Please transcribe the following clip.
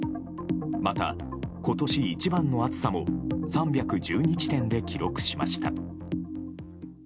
また、今年一番の暑さも３１２地点で記録しました。